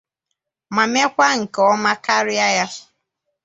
ma mekwa nke ọma karịa ya.